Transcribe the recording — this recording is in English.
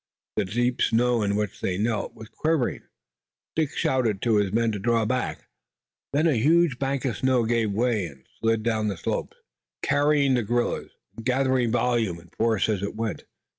The deep snow in which they knelt was quivering. Dick shouted to his men to draw back. Then the huge bank of snow gave way and slid down the slope, carrying the guerrillas, and gathering volume and force as it went.